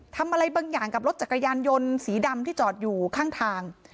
ทำอะไรบางอย่างกับรถจักรยานยนต์สีดำที่จอดอยู่ข้างทาง